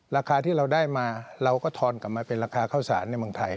ราคาที่เราได้มาเราก็ทอนกลับมาเป็นราคาข้าวสารในเมืองไทย